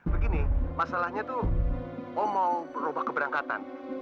begini masalahnya tuh om mau berubah ke berangkatan